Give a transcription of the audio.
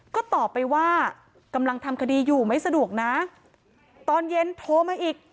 ก็ตอบไปว่ากำลังทำคดีอยู่ไม่สะดวกนะตอนเย็นโทรมาอีก